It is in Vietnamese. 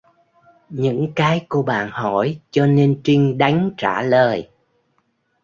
Những cái cô bạn hỏi cho nên Trinh đánh trả lời